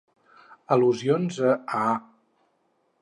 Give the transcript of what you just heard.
Al·lusions a "Ah!"